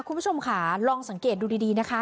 คุณผู้ชมค่ะลองสังเกตดูดีนะคะ